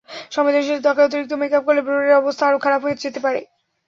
সংবেদনশীল ত্বকে অতিরিক্ত মেকআপ করলে ব্রণের অবস্থা আরও খারাপ হয়ে যেতে পারে।